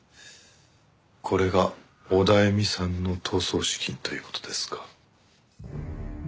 これがオダエミさんの逃走資金という事ですか。